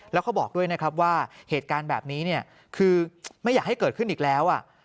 แล้วเขาบอกด้วยนะครับว่าเหตุการณ์แบบนี้เนี่ยคือไม่อยากให้เกิดขึ้นอีกแล้ว